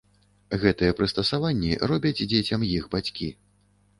Гэтыя прыстасаванні робяць дзецям іх бацькі!